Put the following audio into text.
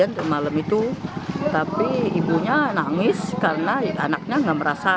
yang mendatangkan uang dari perusahaan yang barat